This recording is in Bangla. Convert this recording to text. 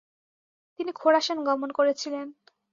তিনি খোরাসান গমন করেছিলেন।